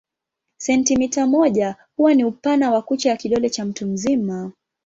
Sentimita moja huwa ni upana wa kucha ya kidole cha mtu mzima.